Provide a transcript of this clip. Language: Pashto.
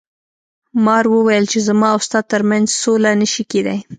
مار وویل چې زما او ستا تر منځ سوله نشي کیدی.